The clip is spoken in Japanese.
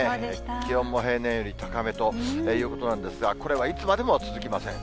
気温も平年より高めということなんですが、これはいつまでも続きません。